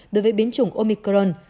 đối với biến chủng omicron